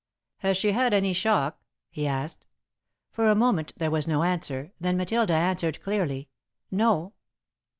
"Has she had any shock?" he asked. For a moment there was no answer, then Matilda answered clearly: "No."